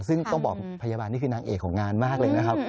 ซึ่งต้องบอกพยาบาลนี่คือนางเอกของงานมากเลยนะครับ